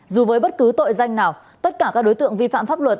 dù với bất cứ tội danh nào tất cả các đối tượng vi phạm pháp luật